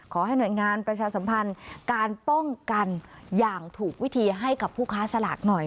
ขอให้หน่วยงานประชาสัมพันธ์การป้องกันอย่างถูกวิธีให้กับผู้ค้าสลากหน่อย